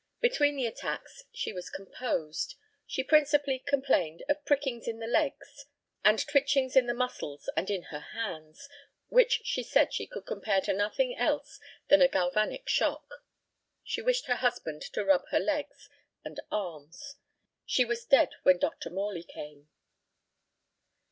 Between the attacks she was composed. She principally complained of prickings in the legs and twichings in the muscles and in the hands, which she said she could compare to nothing else than a galvanic shock. She wished her husband to rub her legs and arms. She was dead when Dr. Morley came.